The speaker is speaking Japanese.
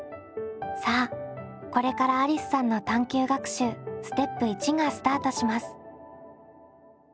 さあこれからありすさんの探究学習ステップ①がスタートします。